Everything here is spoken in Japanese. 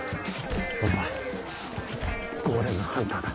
俺はゴーレムハンターだ。